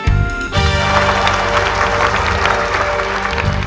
ก็มาเริ่มการแข่งขันกันเลยนะครับ